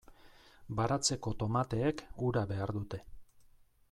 Baratzeko tomateek ura behar dute.